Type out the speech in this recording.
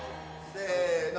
せの。